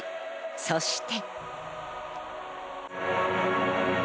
そして。